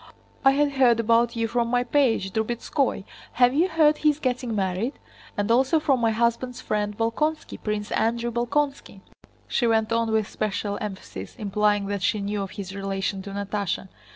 "I had heard about you from my page, Drubetskóy. Have you heard he is getting married? And also from my husband's friend Bolkónski, Prince Andrew Bolkónski," she went on with special emphasis, implying that she knew of his relation to Natásha.